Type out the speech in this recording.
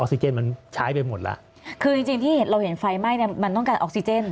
ซิเจนมันใช้ไปหมดแล้วคือจริงจริงที่เราเห็นไฟไหม้เนี้ยมันต้องการออกซิเจน